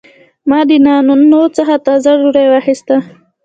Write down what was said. ما د نانوان څخه تازه ډوډۍ واخیسته.